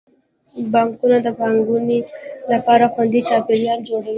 بانکونه د پانګونې لپاره خوندي چاپیریال جوړوي.